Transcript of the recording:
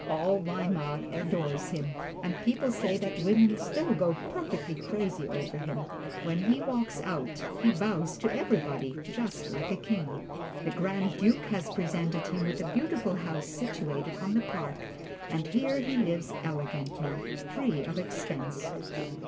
All Weimar adores him, and people say that women still go perfectly crazy over him. When he walks out, he bows to everybody just like a king! The Grand Duke has presented him with a beautiful house situated on the Park, and here he lives elegantly, free of expense.